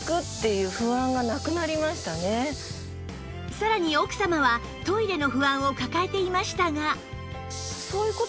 さらに奥様はトイレの不安を抱えていましたが